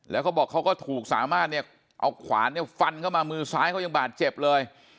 แล้วเขาบอกเขาก็ถูกสามารถเนี่ยเอาขวานเนี่ยฟันเข้ามามือซ้ายเขายังบาดเจ็บเลย